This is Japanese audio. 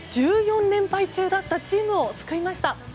連敗中だったチームを救いました。